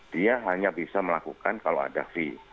dia hanya bisa melakukan kalau ada fee